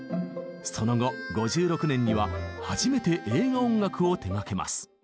その後５６年には初めて映画音楽を手がけます。